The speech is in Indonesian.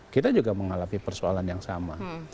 kita juga mengalami persoalan yang sama